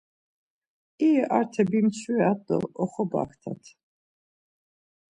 İri arte bimçvirat do oxobaktat.